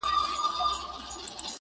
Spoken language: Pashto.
پورته سوی آواز بللی